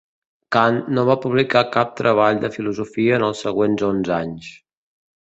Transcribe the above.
Kant no va publicar cap treball de filosofia en els següents onze anys.